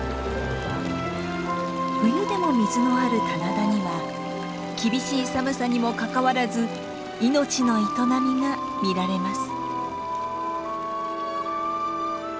冬でも水のある棚田には厳しい寒さにもかかわらず命の営みが見られます。